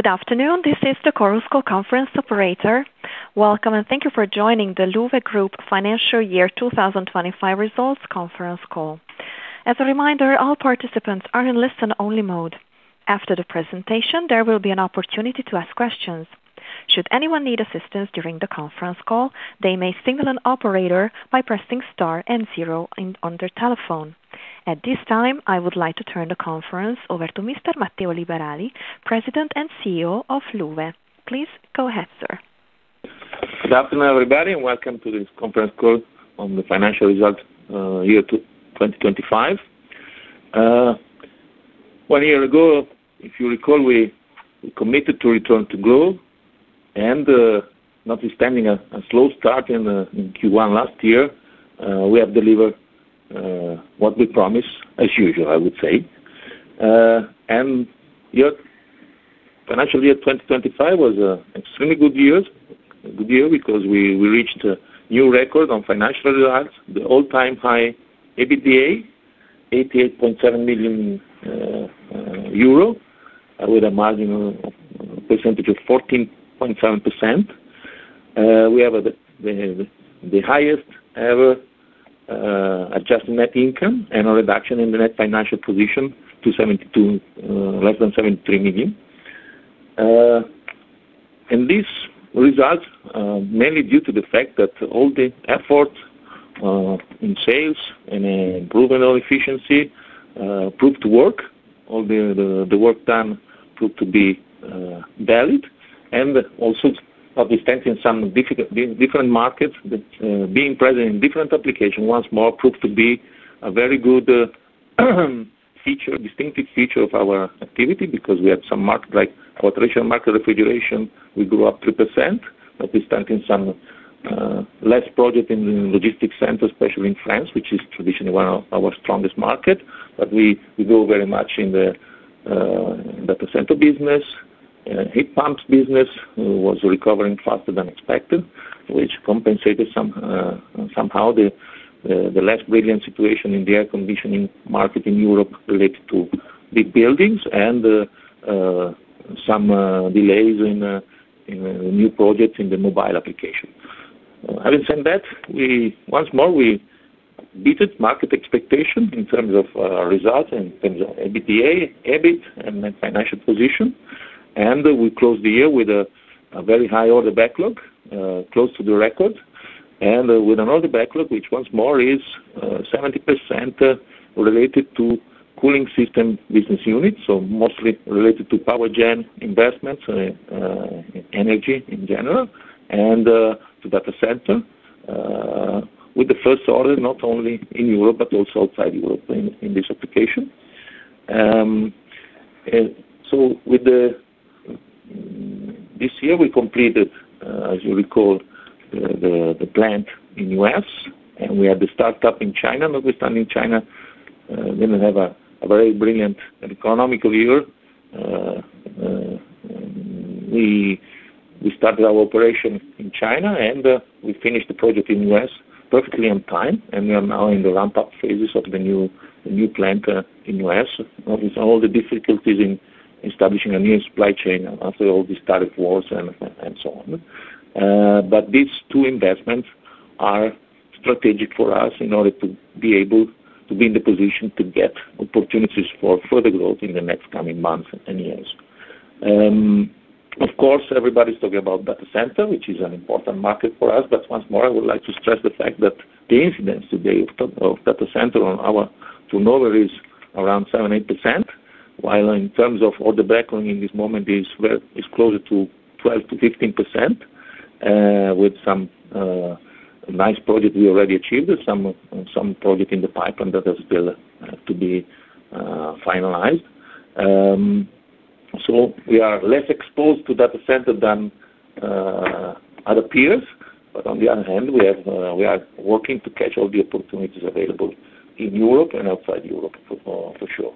Good afternoon, this is the Chorus Call conference operator. Welcome, and thank you for joining the LU-VE Group financial year 2025 results conference call. As a reminder, all participants are in listen-only mode. After the presentation, there will be an opportunity to ask questions. Should anyone need assistance during the conference call, they may signal an operator by pressing star and zero on their telephone. At this time, I would like to turn the conference over to Mr. Matteo Liberali, President and CEO of LU-VE. Please go ahead, sir. Good afternoon, everybody, and welcome to this conference call on the financial results, year 2025. One year ago, if you recall, we committed to return to growth and, notwithstanding a slow start in Q1 last year, we have delivered what we promised, as usual, I would say. Financially 2025 was extremely good year because we reached a new record on financial results. The all-time high EBITDA, 88.7 million euro, with a margin of 14.7%. We have the highest ever Adjusted net income and a reduction in the net financial position to 72, less than 73 million. This results mainly due to the fact that all the effort in sales and improvement of efficiency proved to work. All the work done proved to be valid, and also notwithstanding some different markets, but being present in different applications once more proved to be a very good distinctive feature of our activity because we have some markets like aftermarket refrigeration. We grew 2%, notwithstanding some fewer projects in logistics centers, especially in France, which is traditionally one of our strongest markets. We grow very much in the Data Center business. Heat pumps business was recovering faster than expected, which compensated somewhat the less brilliant situation in the air conditioning market in Europe related to big buildings and some delays in new projects in the mobile application. Having said that, once more, we beat market expectation in terms of results, in terms of EBITDA, EBIT and net financial position. We closed the year with a very high order backlog close to the record, and with an order backlog which once more is 70% related to cooling system business units, so mostly related to power gen investments, energy in general, and to Data Center with the first order not only in Europe but also outside Europe in this application. This year, we completed, as you recall, the plant in U.S., and we had the startup in China. Notwithstanding China didn't have a very brilliant economic year. We started our operation in China, and we finished the project in U.S. perfectly on time, and we are now in the ramp-up phases of the new plant in U.S., with all the difficulties in establishing a new supply chain after all these tariff wars and so on. These two investments are strategic for us in order to be able to be in the position to get opportunities for further growth in the next coming months and years. Of course, everybody's talking about Data Center, which is an important market for us, but once more, I would like to stress the fact that the incidence today of Data Center on our turnover is around 7%-8%, while in terms of order backlog in this moment is closer to 12%-15%, with some nice projects we already achieved, some projects in the pipeline that is still to be finalized. We are less exposed to Data Center than other peers. On the other hand, we are working to catch all the opportunities available in Europe and outside Europe for sure.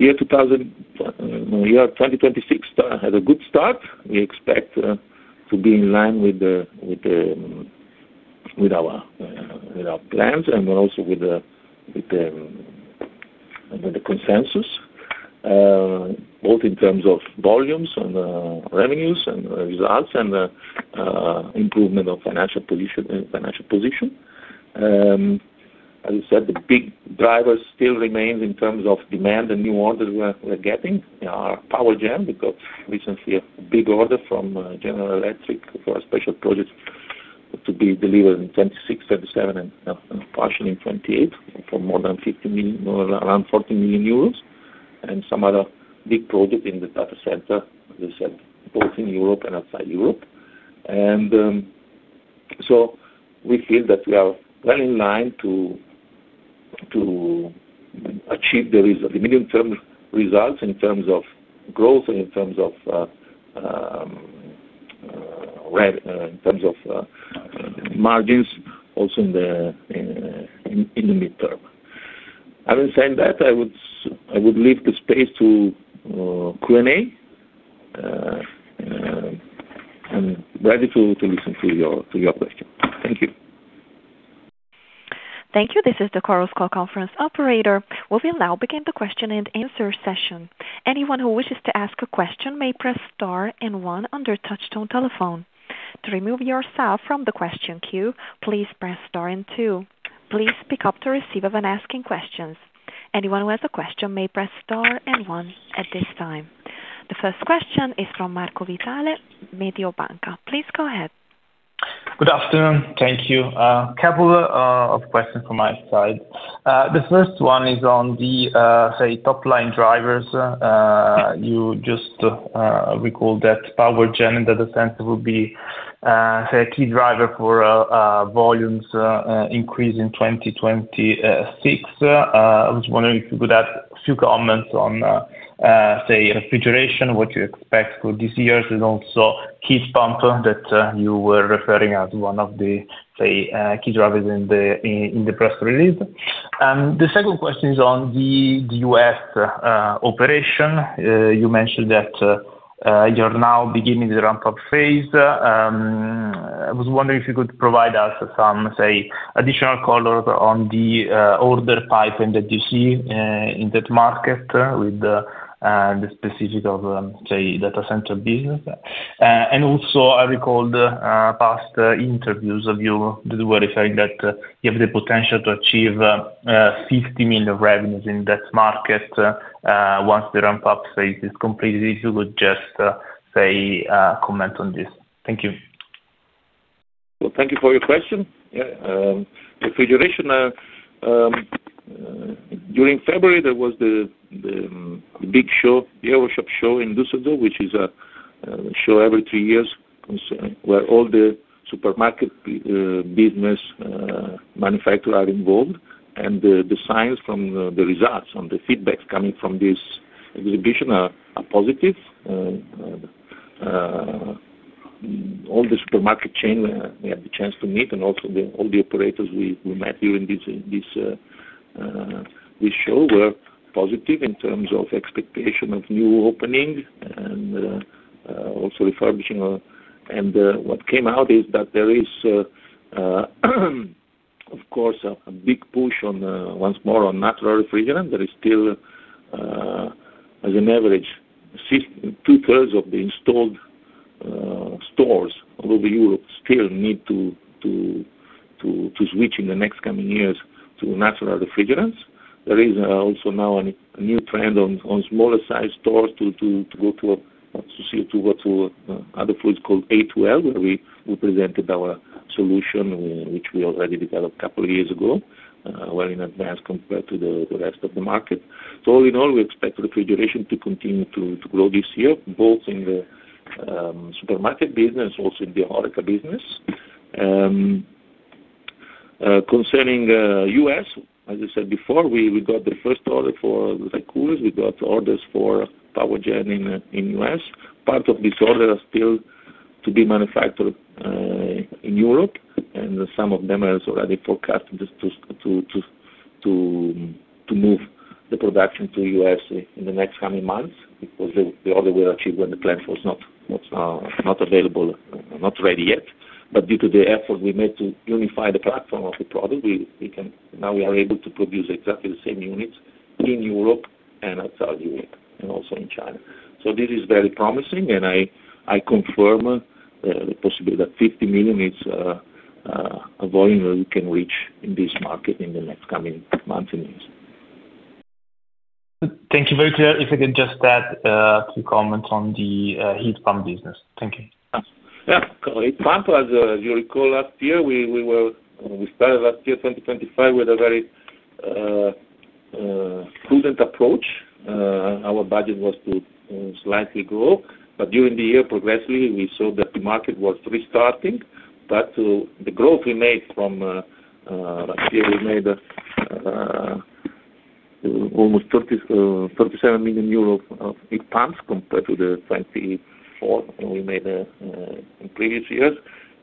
2026 had a good start. We expect to be in line with our plans and also with the consensus both in terms of volumes and revenues and results and improvement of financial position. As you said, the big drivers still remains in terms of demand and new orders we're getting are power gen. We got recently a big order from General Electric for a special project to be delivered in 2026, 2027 and partially in 2028 for more than 50 million, more around 40 million euros, and some other big project in the Data Center, as you said, both in Europe and outside Europe. We feel that we are well in line to achieve the result, the medium-term results in terms of growth and in terms of margins also in the midterm. Having said that, I would leave the space to Q&A. I'm ready to listen to your question. Thank you. Thank you. This is the Chorus Call conference operator. We will now begin the question and answer session. Anyone who wishes to ask a question may press star and one on their touch-tone telephone. To remove yourself from the question queue, please press star and two. Please pick up the receiver when asking questions. Anyone who has a question may press star and one at this time. The first question is from Marco Vitale, Mediobanca. Please go ahead. Good afternoon. Thank you. Couple of questions from my side. The first one is on the top line drivers. You just recalled that Power Generation and Data Center will be a key driver for volumes increase in 2026. I was wondering if you could add a few comments on refrigeration, what you expect for this year, and also heat pump that you were referring as one of the key drivers in the press release. The second question is on the U.S. operation. You mentioned that you're now beginning the ramp-up phase. I was wondering if you could provide us some, say, additional color on the order pipeline and the DC in that market with the specifics of Data Center business. I recall the past interviews where you were referring that you have the potential to achieve 50 million revenues in that market once the ramp-up phase is completed. If you would just comment on this. Thank you. Well, thank you for your question. Yeah, refrigeration during February there was the big show, the EuroShop show in Düsseldorf, which is a show every three years concerning where all the supermarket business manufacturer are involved. The signs from the results and the feedbacks coming from this exhibition are positive. All the supermarket chain we had the chance to meet, and also all the operators we met during this show were positive in terms of expectation of new opening and also refurbishing. What came out is that there is of course a big push on once more on natural refrigerant. There is still, as an average, two-thirds of the installed stores all over Europe still need to switch in the next coming years to natural refrigerants. There is also now a new trend on smaller sized stores to go to other fluids called A2L, where we presented our solution, which we already developed a couple of years ago, well in advance compared to the rest of the market. All in all, we expect refrigeration to continue to grow this year, both in the supermarket business, also in the HORECA business. Concerning U.S., as I said before, we got the first order for dry coolers. We got orders for Power Gen in U.S.. Part of this order are still to be manufactured in Europe, and some of them are already forecasted just to move the production to U.S. in the next coming months, because the order were achieved when the platform was not available, not ready yet. Due to the effort we made to unify the platform of the product, now we are able to produce exactly the same units in Europe and outside Europe, and also in China. This is very promising, and I confirm the possibility that 50 million is a volume that we can reach in this market in the next coming months and years. Thank you. Very clear. If I could just add to comment on the heat pump business. Thank you. Yeah. Heat pump, as you recall last year, we started last year, 2025, with a very prudent approach. Our budget was to slightly grow. During the year, progressively, we saw that the market was restarting. The growth we made from last year, we made almost 37 million euros of heat pumps compared to 2024, and we made in previous years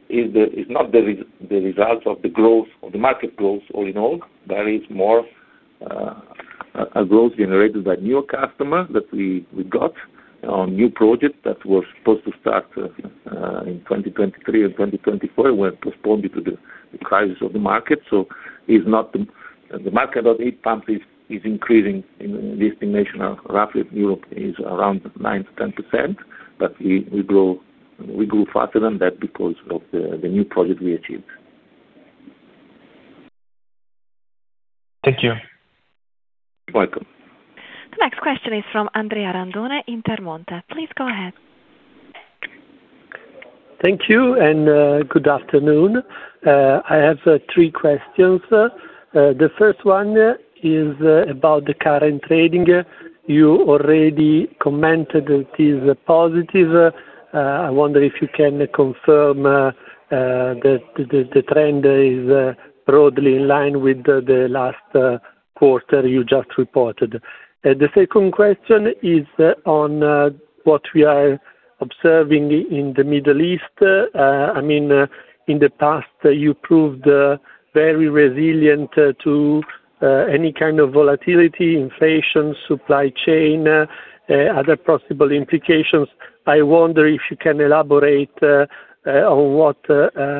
is not the result of the growth or the market growth all in all. There is more a growth generated by newer customers that we got on new projects that were supposed to start in 2023 and 2024 were postponed due to the crisis of the market. Is not the the market for heat pumps is increasing. In this estimation, roughly, Europe is around 9%-10%, but we grow faster than that because of the new project we achieved. Thank you. You're welcome. The next question is from Andrea Randone, Intermonte. Please go ahead. Thank you, good afternoon. I have three questions. The first one is about the current trading. You already commented that is positive. I wonder if you can confirm that the trend is broadly in line with the last quarter you just reported. The second question is on what we are observing in the Middle East. I mean, in the past you proved very resilient to any kind of volatility, inflation, supply chain, other possible implications. I wonder if you can elaborate on what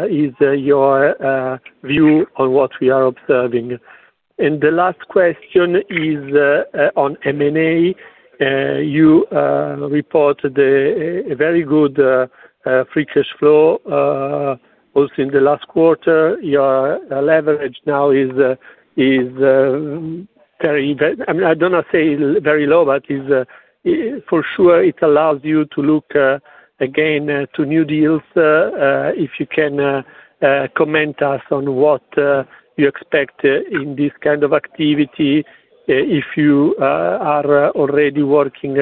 is your view on what we are observing. The last question is on M&A. You reported a very good free cash flow also in the last quarter. Your leverage now is, I mean, I do not say very low, but for sure, it allows you to look again to new deals. If you can comment to us on what you expect in this kind of activity, if you are already working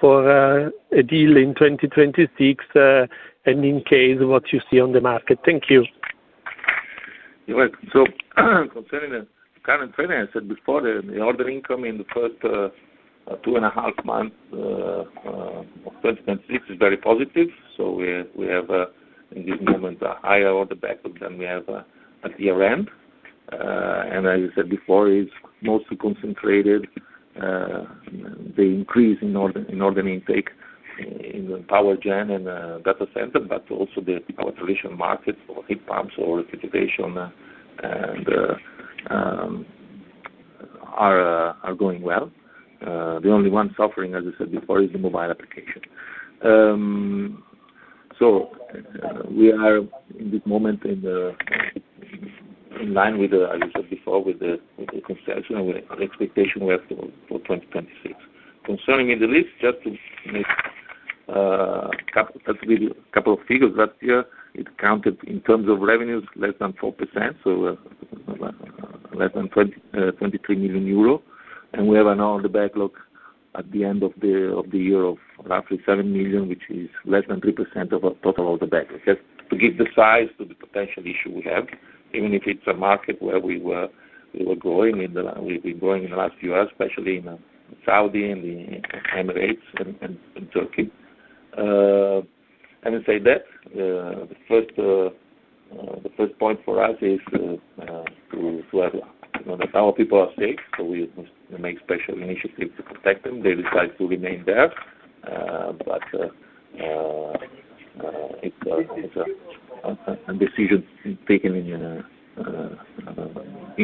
for a deal in 2026, and in case what you see on the market. Thank you. You're welcome. Concerning the current trend, I said before, the order income in the first two and a half months of 2026 is very positive. We have in this moment a higher order backlog than we have at year-end. As I said before, it's mostly concentrated, the increase in order intake in the Power Gen and Data Center, but also our traditional markets for heat pumps or refrigeration and are going well. The only one suffering, as I said before, is the mobile application. We are in this moment in line with the, as I said before, with the consensus and with our expectation we have for 2026. Concerning Middle East, just to make a couple of figures. Last year, it counted in terms of revenues less than 4%, so less than 23 million euro. We have an order backlog at the end of the year of roughly 7 million, which is less than 3% of our total order backlog. Just to give the size of the potential issue we have, even if it's a market where we were growing in the last few years, especially in Saudi and the Emirates and Turkey. Having said that, the first point for us is to have, you know, that our people are safe, so we make special initiatives to protect them. They decide to remain there, but it's a decision taken in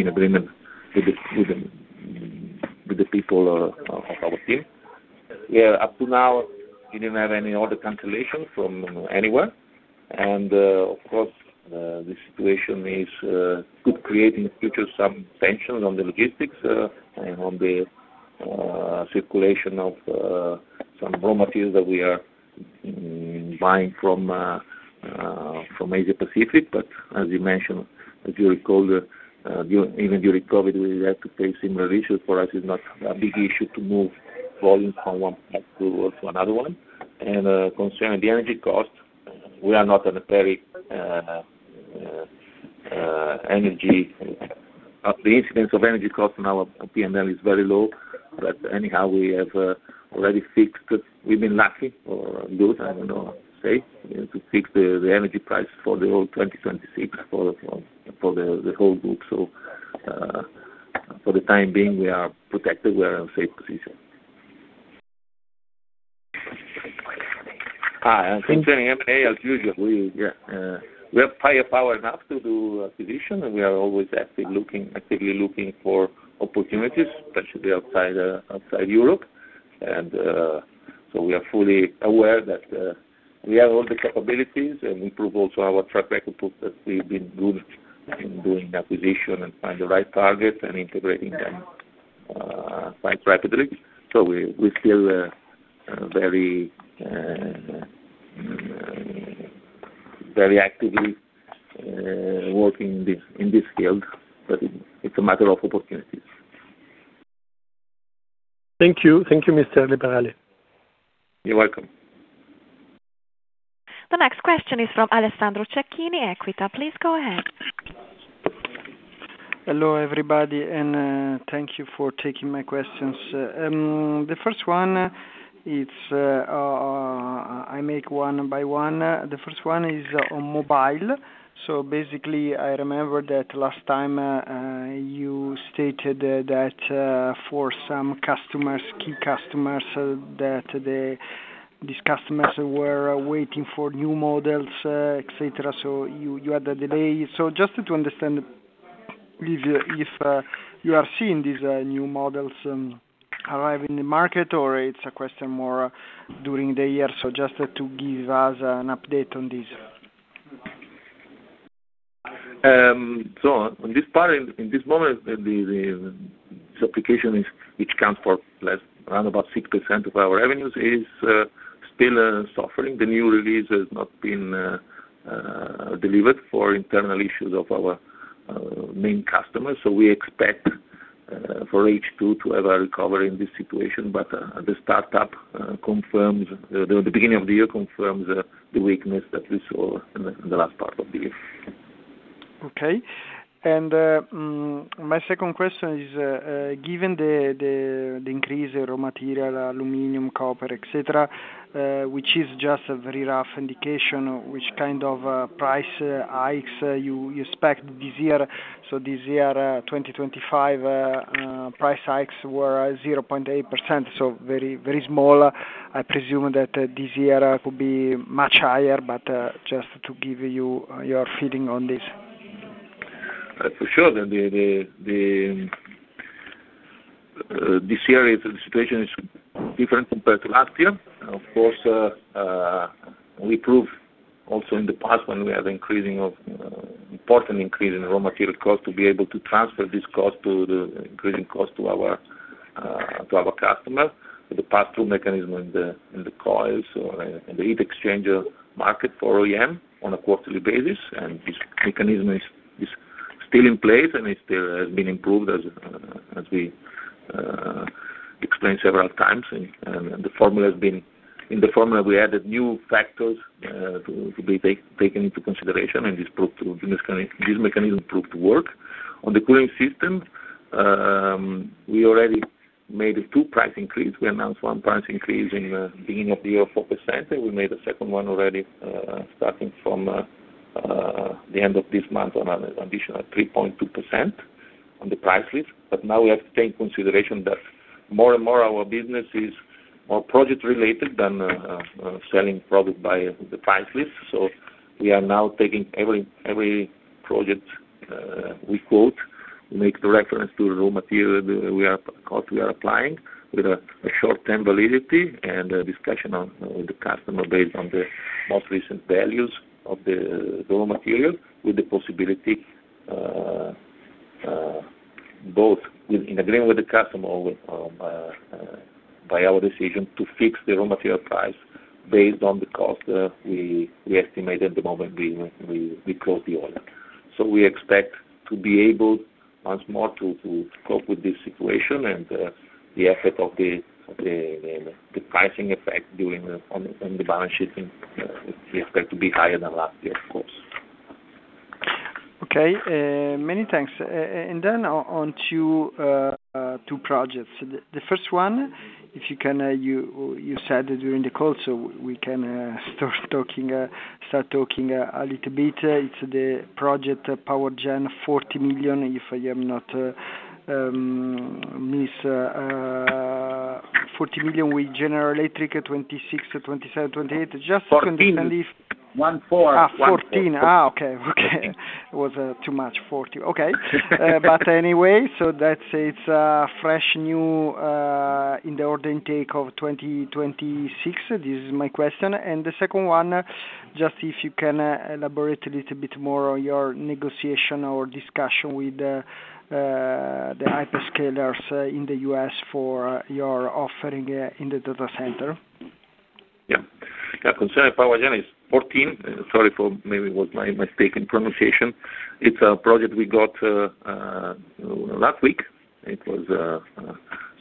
agreement with the people of our team. Yeah, up to now, we didn't have any order cancellations from anywhere. Of course, the situation could create in the future some tensions on the logistics and on the circulation of some raw materials that we are buying from Asia Pacific. As you mentioned, if you recall, even during COVID, we had to face similar issues. For us it's not a big issue to move volumes from one part of the world to another one. Concerning the energy costs, we are not a very energy... The incidence of energy costs on our P&L is very low, but anyhow, we have already fixed. We've been lucky or good, I don't know how to say, to fix the energy price for the whole 2026 for the whole group. For the time being, we are protected. We are in a safe position. Concerning M&A, as usual, we have firepower enough to do acquisition, and we are always actively looking for opportunities, especially outside Europe. We are fully aware that we have all the capabilities, and we prove also our track record that we've been good in doing acquisition and find the right target and integrating them quite rapidly. We still very actively working in this field, but it's a matter of opportunities. Thank you. Thank you, Mr. Liberali. You're welcome. The next question is from Alessandro Cecchini, Equita. Please go ahead. Hello, everybody, and thank you for taking my questions. The first one is, I make one by one. The first one is on mobile. Basically I remember that last time you stated that for some customers, key customers, that these customers were waiting for new models, et cetera, so you had a delay. Just to understand if you are seeing these new models arrive in the market or it's a question more during the year. Just to give us an update on this. On this part, in this moment, this application, which accounts for around about 6% of our revenues, is still suffering. The new release has not been delivered for internal issues of our main customers. We expect for H2 to have a recovery in this situation. The beginning of the year confirms the weakness that we saw in the last part of the year. Okay. My second question is, given the increase in raw material, aluminum, copper, et cetera, which is just a very rough indication, which kind of price hikes you expect this year? This year, 2025, price hikes were 0.8%, so very, very small. I presume that this year could be much higher, but just to give you your feeling on this. For sure. This year, the situation is different compared to last year. Of course, we proved also in the past when we had important increase in raw material cost to be able to transfer this cost, the increasing cost, to our customers. With the pass-through mechanism in the coils or in the heat exchanger market for OEM on a quarterly basis. This mechanism is still in place, and it still has been improved, as we explained several times. The formula has been. In the formula, we added new factors to be taken into consideration, and this mechanism proved to work. On the cooling system, we already made two price increase. We announced one price increase in beginning of the year of 4%, and we made a second one already, starting from the end of this month, another additional 3.2% on the price list. Now we have to take into consideration that more and more our business is more project related than selling product by the price list. We are now taking every project we quote, make the reference to raw material cost we are applying with a short-term validity and a discussion with the customer based on the most recent values of the raw material with the possibility both in agreement with the customer or by our decision to fix the raw material price based on the cost that we estimate at the moment we quote the order. We expect to be able once more to cope with this situation and the effect of the pricing effect on the balance sheet. We expect to be higher than last year, of course. Okay. Many thanks. Then on to two projects. The first one, if you can, you said during the call, so we can start talking a little bit. It's the project Power Gen 40 million, if I am not mistaken, 40 million with General Electric, 2026 to 2027, 2028. Just confirm this. 1-4 14 million. Okay. Okay. It was too much, 40 million. Okay. Anyway, so that it's fresh new in the order intake of 2026. This is my question. The second one, just if you can elaborate a little bit more on your negotiation or discussion with the hyperscalers in the U.S. for your offering in the Data Center. Yeah. Concerning Power Generation, it's 14 million. Sorry, maybe it was my mistaken pronunciation. It's a project we got last week. It's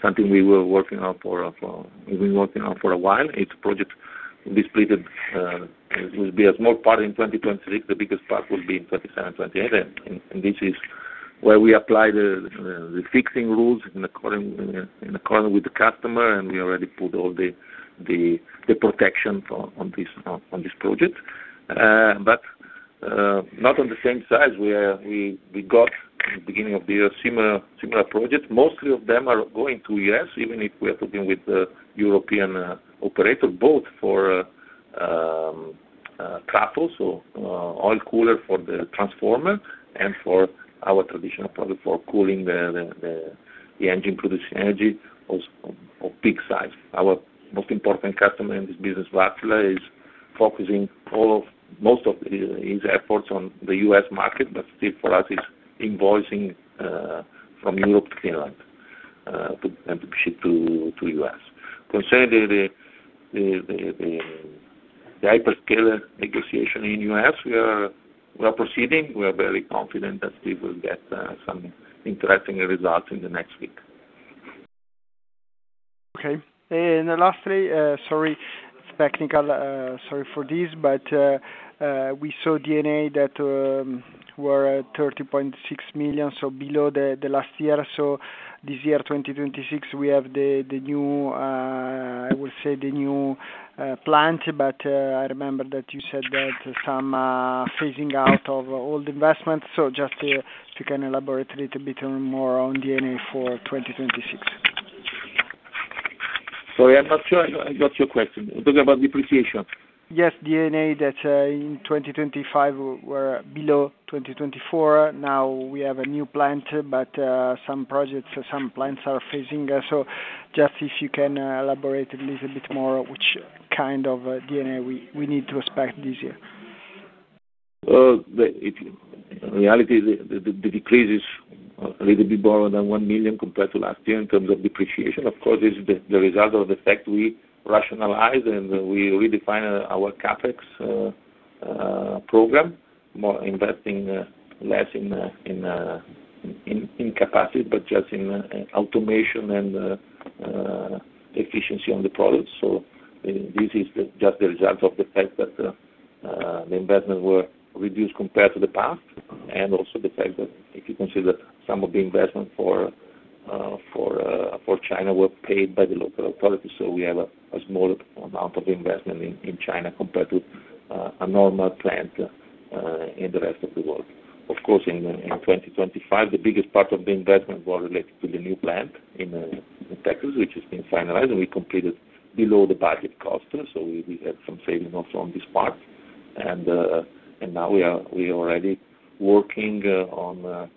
something we've been working on for a while. It's a project we split. It will be a small part in 2026. The biggest part will be in 2027, 2028. This is where we apply the fixing rules in accordance with the customer, and we already put all the protections on this project. But not on the same size. We got in the beginning of the year similar projects. Most of them are going to U.S., even if we are talking with European operator, both for cooler, so oil cooler for the transformer and for our traditional product for cooling the engine producing energy of big size. Our most important customer in this business, Wärtsilä, is focusing most of his efforts on the U.S. market, but still for us is invoicing from Europe to Finland and to ship to U.S. Concerning the hyperscaler negotiation in U.S., we are proceeding. We are very confident that we will get some interesting results in the next week. Okay. Lastly, sorry, it's technical, sorry for this, but we saw D&A that were at 30.6 million, so below the last year. This year, 2026, we have the new, I would say the new plant, but I remember that you said that some phasing out of old investments. Just if you can elaborate a little bit more on D&A for 2026. Sorry, I'm not sure I got your question. You're talking about depreciation? Yes, D&A that in 2025 were below 2024. Now we have a new plant, but some projects, some plants are phasing. Just if you can elaborate a little bit more, which kind of D&A we need to expect this year. Well, reality is the decrease is a little bit lower than 1 million compared to last year in terms of depreciation. Of course, this is the result of the fact we rationalize and we redefine our CapEx program, more investing less in capacity, but just in automation and efficiency on the products. This is just the result of the fact that the investments were reduced compared to the past, and also the fact that if you consider some of the investment for China were paid by the local authorities. We have a small amount of investment in China compared to a normal plant in the rest of the world. Of course, in 2025, the biggest part of the investment were related to the new plant in Texas, which has been finalized, and we completed below the budget cost. We had some saving also on this part. Now we are already working on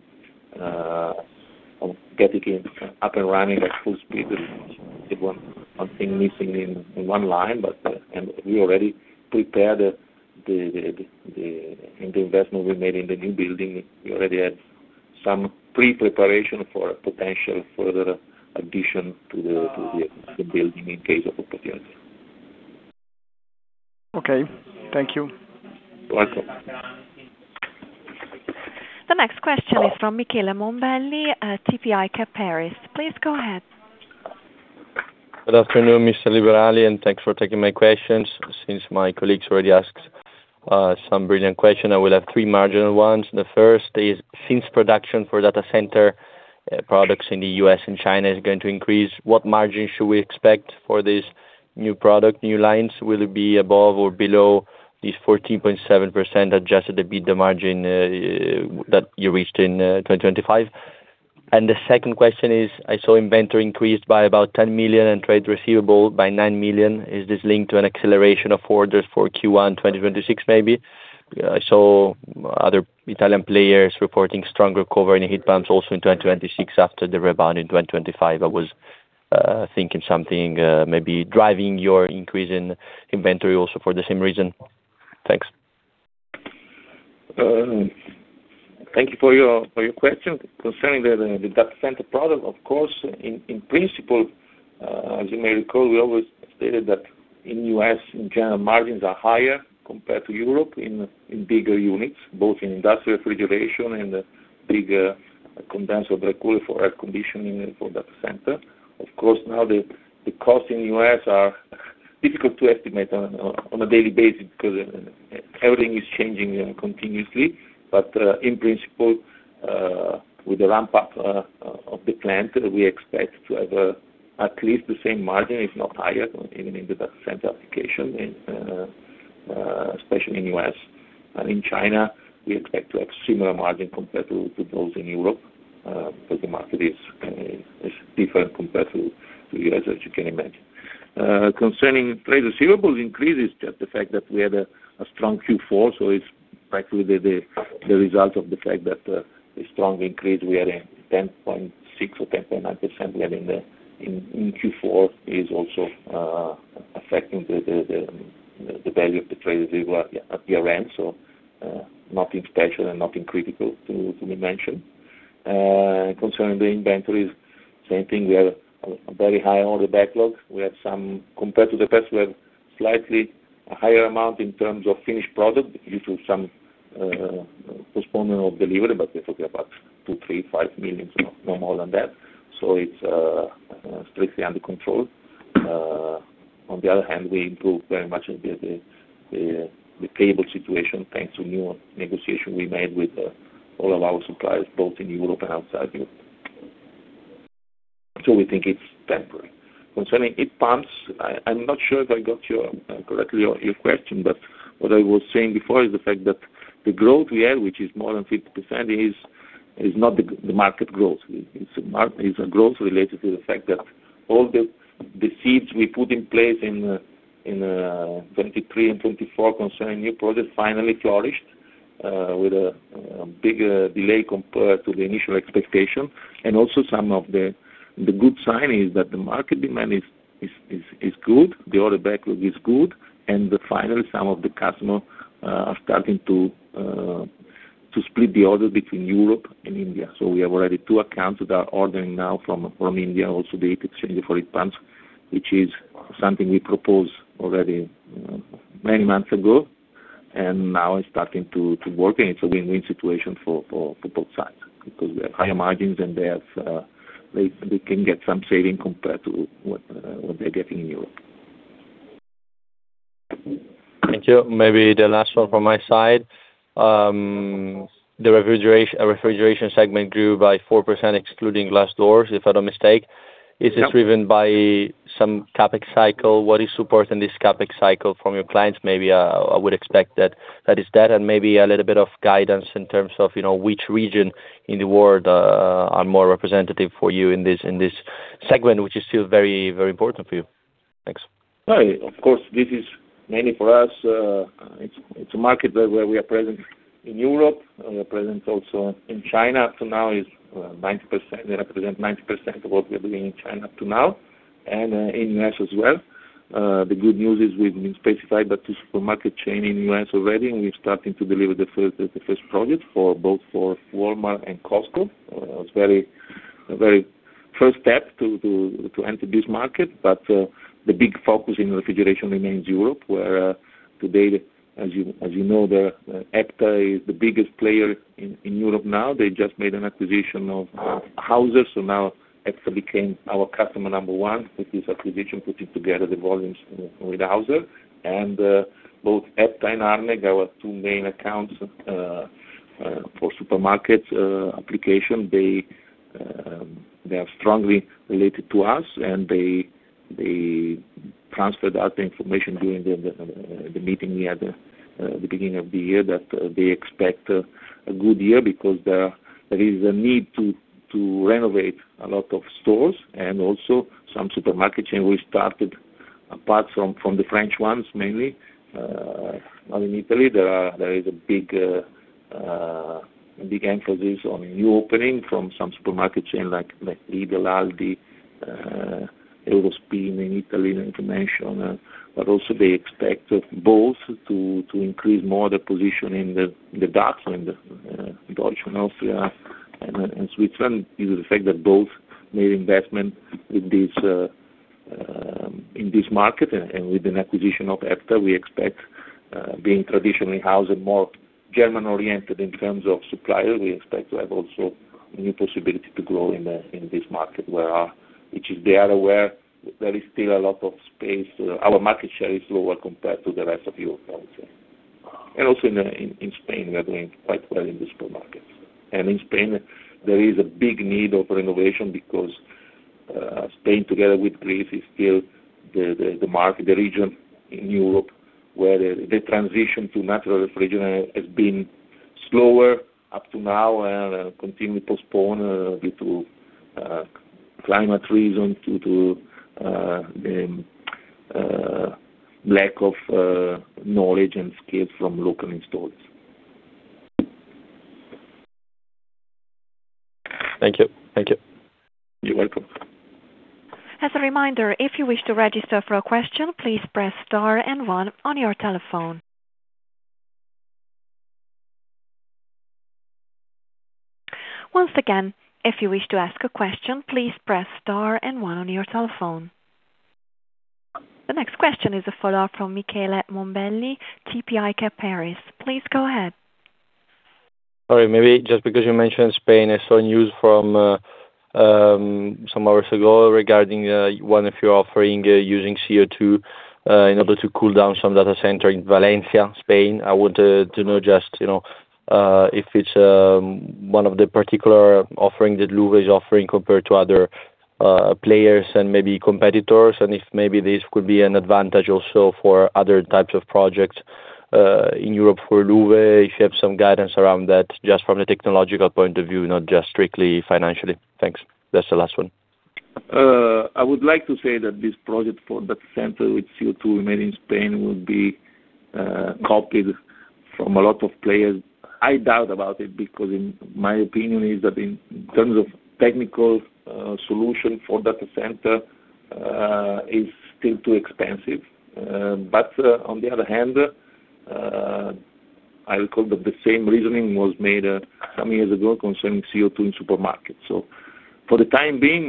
getting it up and running at full speed. It was something missing in one line, but in the investment we made in the new building, we already had some preparation for potential further addition to the building in case of opportunity. Okay. Thank you. You're welcome. The next question is from Michele Mombelli at TP ICAP Paris. Please go ahead. Good afternoon, Mr. Liberali, and thanks for taking my questions. Since my colleagues already asked some brilliant question, I will have three marginal ones. The first is, since production for Data Center products in the U.S. and China is going to increase, what margin should we expect for this new product, new lines? Will it be above or below this 14.7% Adjusted EBITDA margin that you reached in 2025? The second question is, I saw inventory increased by about 10 million and trade receivable by 9 million. Is this linked to an acceleration of orders for Q1 2026, maybe? I saw other Italian players reporting stronger recovery in heat pumps also in 2026 after the rebound in 2025. I was thinking something maybe driving your increase in inventory also for the same reason. Thanks. Thank you for your question. Concerning the Data Center product, of course, in principle, as you may recall, we always stated that in U.S., in general, margins are higher compared to Europe in bigger units, both in industrial refrigeration and bigger condenser cooler for air conditioning for Data Center. Of course, now the costs in U.S. are difficult to estimate on a daily basis because everything is changing continuously. In principle, with the ramp-up of the plant, we expect to have at least the same margin, if not higher, even in the Data Center application, and especially in U.S. In China, we expect to have similar margin compared to those in Europe, but the market is different compared to U.S., as you can imagine. Concerning trade receivables increases, just the fact that we had a strong Q4, it's practically the result of the fact that the strong increase we are in 10.6 or 10.9% in Q4 is also affecting the value of the trade receivable at year-end. Nothing special and nothing critical to mention. Concerning the inventories, same thing. We have a very high order backlog. We have some compared to the past, we have slightly a higher amount in terms of finished product due to some postponement of delivery, but we're talking about 2 million, 3 million, 5 million, so no more than that. It's strictly under control. On the other hand, we improved very much the payable situation, thanks to new negotiation we made with all of our suppliers, both in Europe and outside Europe. We think it's temporary. Concerning heat pumps, I'm not sure if I got your question correctly, but what I was saying before is the fact that the growth we had, which is more than 50%, is not the market growth. It's a growth related to the fact that all the seeds we put in place in 2023 and 2024 concerning new products finally flourished with a bigger delay compared to the initial expectation. Some of the good sign is that the market demand is good, the order backlog is good, and some of the customers are starting to split the order between Europe and India. We have already two accounts that are ordering now from India also the heat exchanger for heat pumps, which is something we proposed already many months ago, and now it's starting to work, and it's a win-win situation for both sides because we have higher margins and they can get some savings compared to what they're getting in Europe. Thank you. Maybe the last one from my side. The Refrigeration segment grew by 4%, excluding glass doors, if I'm not mistaken. Yeah. Is this driven by some CapEx cycle? What is supporting this CapEx cycle from your clients? Maybe, I would expect that is that, and maybe a little bit of guidance in terms of, you know, which region in the world, are more representative for you in this, in this segment, which is still very, very important for you. Thanks. Right. Of course, this is mainly for us. It's a market where we are present in Europe. We're present also in China. Up to now, it's 90%. They represent 90% of what we are doing in China up to now, and in U.S. as well. The good news is we've been specified by two supermarket chains in U.S. already, and we're starting to deliver the first project for both Walmart and Costco. It's a very first step to enter this market. The big focus in refrigeration remains Europe, where today, as you know, the Epta is the biggest player in Europe now. They just made an acquisition of Hauser. So now Epta became our customer number one with this acquisition, putting together the volumes with Hauser. Both Epta and Arneg, our two main accounts for supermarket application, they are strongly related to us, and they transferred us the information during the meeting we had the beginning of the year that they expect a good year because there is a need to renovate a lot of stores and also some supermarket chain we started. Apart from the French ones mainly, now in Italy there is a big emphasis on new opening from some supermarket chain like Lidl, Aldi, Eurospin in Italy, not to mention, but also they expect both to increase more the position in the DACH and Deutschland, Austria, and Switzerland due to the fact that both made investment with this in this market. With an acquisition of Epta, we expect being traditionally Hauser more German-oriented in terms of supplier. We expect to have also a new possibility to grow in this market where they are aware there is still a lot of space. Our market share is lower compared to the rest of Europe, I would say. Also in Spain, we are doing quite well in the supermarkets. In Spain, there is a big need of renovation because Spain together with Greece is still the region in Europe where the transition to natural refrigerant has been slower up to now and continue to postpone due to climate reasons, due to lack of knowledge and skill from local installers. Thank you. Thank you. You're welcome. As a reminder, if you wish to register for a question, please press star and one on your telephone. Once again, if you wish to ask a question, please press star and one on your telephone. The next question is a follow-up from Michele Mombelli, TP ICap Paris. Please go ahead. Sorry. Maybe just because you mentioned Spain, I saw news from some hours ago regarding one of your offering using CO2 in order to cool down some Data Center in Valencia, Spain. I would like to know just, you know, if it's one of the particular offering that LU-VE is offering compared to other players and maybe competitors, and if maybe this could be an advantage also for other types of projects in Europe for LU-VE. If you have some guidance around that, just from a technological point of view, not just strictly financially. Thanks. That's the last one. I would like to say that this project for Data Center with CO2 made in Spain will be copied from a lot of players. I doubt about it because in my opinion is that in terms of technical solution for Data Center is still too expensive. On the other hand, I recall that the same reasoning was made some years ago concerning CO2 in supermarkets. For the time being,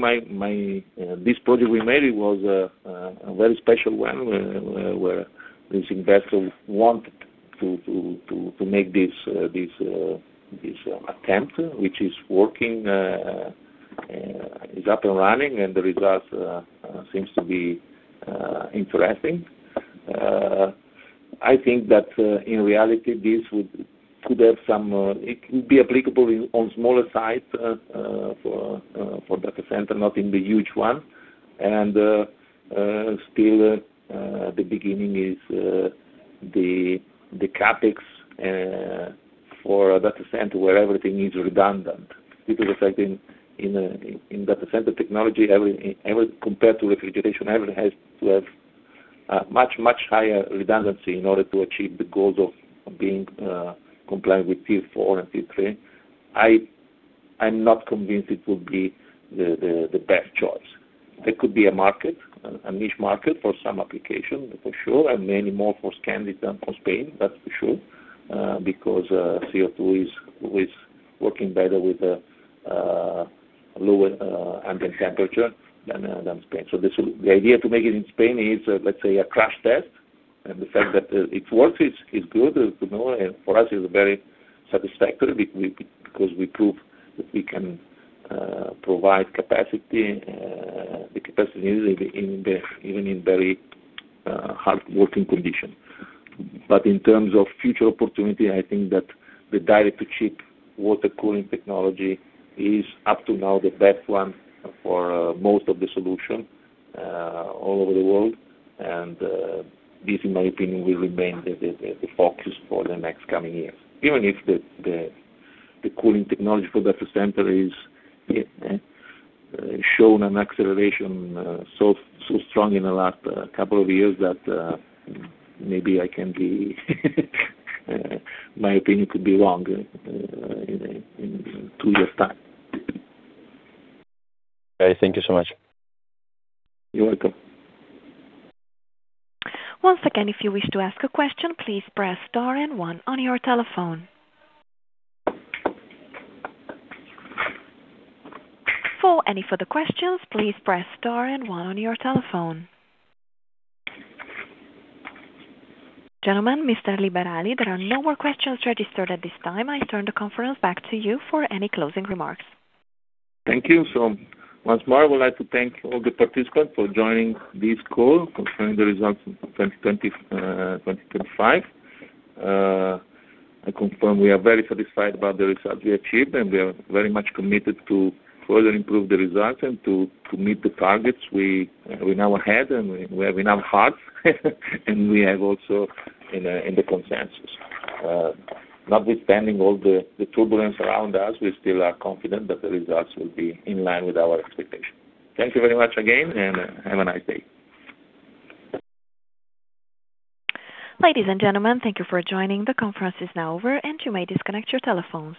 this project we made, it was a very special one where this investor wanted to make this attempt, which is working, is up and running, and the results seems to be interesting. I think that in reality this could have some. It could be applicable in on smaller sites for Data Center, not in the huge one. Still the beginning is the CapEx for a Data Center where everything is redundant due to the fact in Data Center technology every compared to refrigeration, every has to have much higher redundancy in order to achieve the goals of being compliant with Tier 4 and Tier 3. I'm not convinced it would be the best choice. There could be a market, a niche market for some application for sure, and many more for Scandinavia than for Spain, that's for sure, because CO2 is always working better with lower ambient temperature than Spain. The idea to make it in Spain is, let's say, a crash test, and the fact that it works, it is good. You know, and for us it is very satisfactory because we prove that we can provide capacity, the capacity even in very hard working condition. In terms of future opportunity, I think that the direct to chip water cooling technology is up to now the best one for most of the solution all over the world. This, in my opinion, will remain the focus for the next coming years, even if the cooling technology for Data Center has shown an acceleration so strong in the last couple of years that maybe in my opinion could be wrong in two years time. Okay, thank you so much. You're welcome. Once again, if you wish to ask a question, please press star and one on your telephone. For any further questions, please press star and one on your telephone. Gentlemen, Mr. Liberali, there are no more questions registered at this time. I turn the conference back to you for any closing remarks. Thank you. Once more, I would like to thank all the participants for joining this call concerning the results of 2025. I confirm we are very satisfied about the results we achieved, and we are very much committed to further improve the results and to meet the targets we now had and we have in our hearts and we have also in the consensus. Notwithstanding all the turbulence around us, we still are confident that the results will be in line with our expectations. Thank you very much again, and have a nice day. Ladies and gentlemen, thank you for joining. The conference is now over and you may disconnect your telephones.